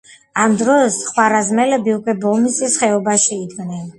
ამ დროს ხვარაზმელები უკვე ბოლნისის ხეობაში იდგნენ.